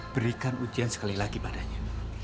berikan ujian sekali lagi padanya